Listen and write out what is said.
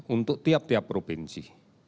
untuk tiap tiap provinsi